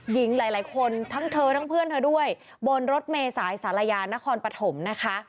หญิงหลายคนทั้งเธอทั้งเพื่อนเธอด้วยบนรถเมษายสารยานครปฐมนะคะ